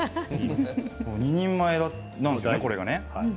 ２人前なんですよね、これが。